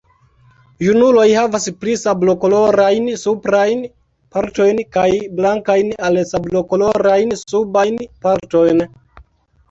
Junuloj havas pli sablokolorajn suprajn partojn kaj blankajn al sablokolorajn subajn partojn.